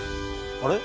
あれ？